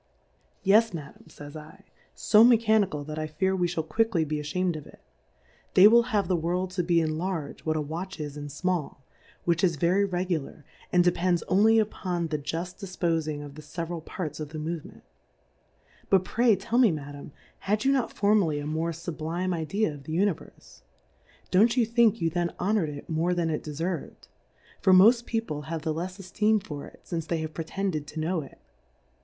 1>j, Madiim;^ [ays /, fo Mechanical, that i fear we fliall quickly be afliamM of it ; they will have the World to be in Large, what a Watch is in Small ; which is very regular, and depends only upon the juft difpofing of the feveral Parts of the Movement. But pray tell me, Madam, had you not formerly a more fublime II Difcourfes on the fublime Idea of the Univerfe ? Don't you think you then honoured it more than it defervM ? For moft People have the lefs Efteem for it fince they have pretended to know it.